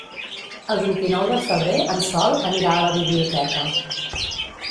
El vint-i-nou de febrer en Sol anirà a la biblioteca.